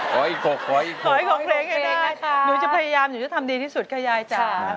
ขอให้๖เพลงให้ได้หนูจะพยายามหนูจะทำดีที่สุดกับยายจ้า